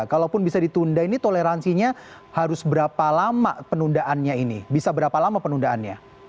kalaupun bisa ditunda ini toleransinya harus berapa lama penundaannya ini bisa berapa lama penundaannya